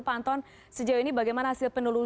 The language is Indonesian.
pak anton sejauh ini bagaimana hasil penelusuran